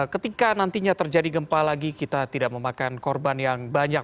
ketika nantinya terjadi gempa lagi kita tidak memakan korban yang banyak